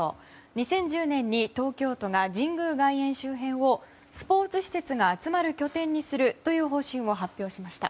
２０１０年に東京都が神宮外苑周辺をスポーツ施設が集まる拠点にするという方針を発表しました。